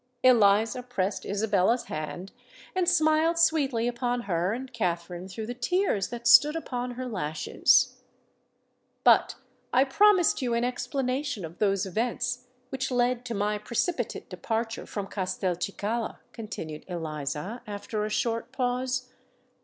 Eliza pressed Isabella's hand, and smiled sweetly upon her and Katherine through the tears that stood upon her lashes. "But I promised you an explanation of those events which led to my precipitate departure from Castelcicala," continued Eliza, after a short pause.